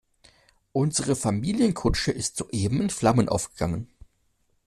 Unsere Familienkutsche ist soeben in Flammen aufgegangen.